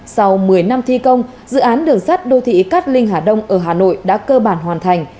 sau một mươi năm thi công dự án đường sắt đô thị cát linh hà đông ở hà nội đã cơ bản hoàn thành